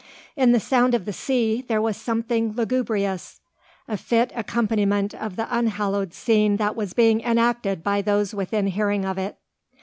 In the sound of the sea there was something lugubrious: a fit accompaniment of the unhallowed scene that was being enacted by those within hearing of it.